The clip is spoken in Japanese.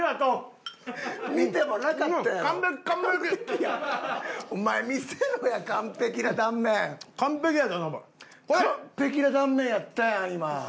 完璧な断面やったやん今。